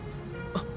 あっ！